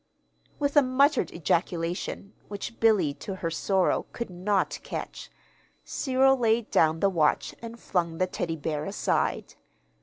With a muttered ejaculation (which Billy, to her sorrow, could not catch) Cyril laid down the watch and flung the Teddy bear aside.